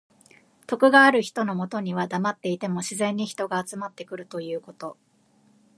徳がある人のもとにはだまっていても自然に人が集まってくるということ。